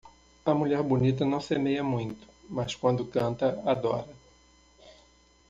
A mulher bonita não semeia muito, mas quando canta adora.